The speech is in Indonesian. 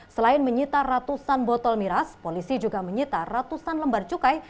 selain menyita ratusan botol miras polisi juga menyita ratusan lembar cukai